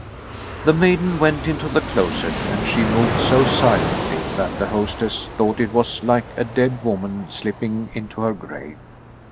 The maiden went into the closet, and she moved so silently that the hostess thought it was like a dead woman slipping into her grave.